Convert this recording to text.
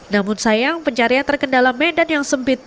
namun sayang pencarian terkendala medan yang sempit